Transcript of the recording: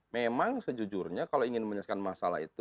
memang sejujurnya kalau ingin menyelesaikan masalah itu